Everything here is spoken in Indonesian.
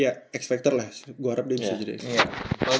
ya ya ya expecter lah gue harap dia bisa jadi